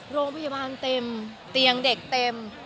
โรงพยาบาลเต็มเตียงเด็กเต็ม